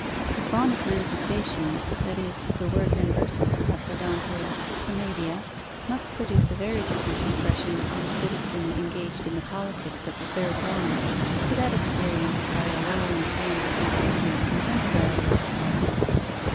The phonic manifestations, that is, the words and verses of the Dantesque Commedia, must produce a very different impression on a citizen engaged in the politics of the third Rome, to that experienced by a well informed and intimate contemporary of the poet.